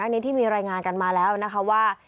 อันนี้ที่มีรายงานกันมาแล้วนะคะว่า